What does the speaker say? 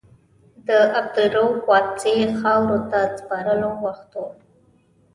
د عبدالرؤف واسعي خاورو ته سپارلو وخت و.